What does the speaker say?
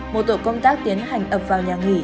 một tổ công tác tiến hành ập vào nhà nghỉ